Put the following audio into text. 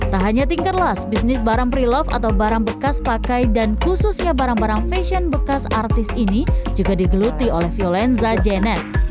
tak hanya tinkerlust bisnis barang prelove atau barang bekas pakai dan khususnya barang barang fashion bekas artis ini juga digeluti oleh violenza jenet